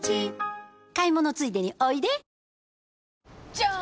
じゃーん！